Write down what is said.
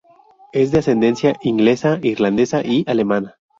Es de ascendencia inglesa, irlandesa y alemana.